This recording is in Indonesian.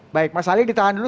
baik mas ali ditahan dulu